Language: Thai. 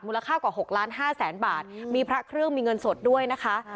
ค่ากว่า๖ล้านห้าแสนบาทมีพระเครื่องมีเงินสดด้วยนะคะ